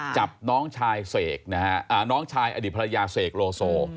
จับน้องชายเสกนะฮะน้องชายอดีตภรรยาเสกโลโซ